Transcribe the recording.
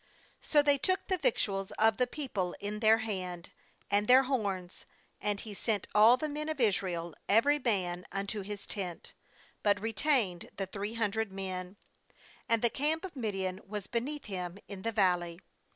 8So they took the victuals of the people in their hand, and their horns; and he sent all the men of Israel every man unto his tent, but retained the three hundred men; and the,, camp of Midian was beneath him in^$e valley.